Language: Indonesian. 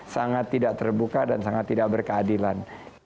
sangat tidak terbuka dan sangat tidak berkeadilan